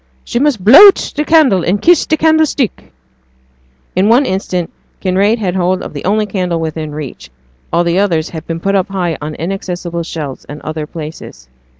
'She must blow out t' candle and kiss t' candlestick.' In one instant Kinraid had hold of the only candle within reach, all the others had been put up high on inaccessible shelves and other places.